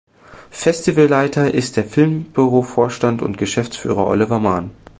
Festivalleiter ist der Filmbüro-Vorstand und Geschäftsführer Oliver Mahn.